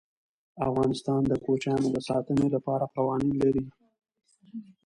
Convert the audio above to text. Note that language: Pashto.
افغانستان د کوچیانو د ساتنې لپاره قوانین لري.